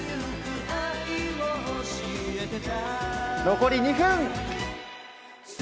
残り２分！